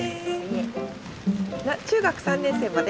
中学３年生まで？